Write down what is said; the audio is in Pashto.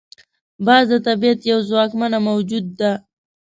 باز د طبیعت یو ځواکمنه موجود ده